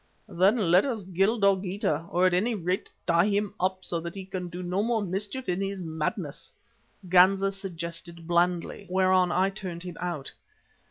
"Then let us kill Dogeetah, or at any rate tie him up, so that he can do no more mischief in his madness," Ganza suggested blandly, whereon I turned him out.